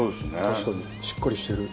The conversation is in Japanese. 確かにしっかりしてる。